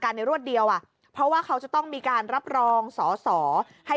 ในรวดเดียวอ่ะเพราะว่าเขาจะต้องมีการรับรองสอสอให้